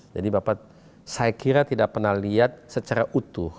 jadi bapak saya kira tidak pernah lihat secara utuh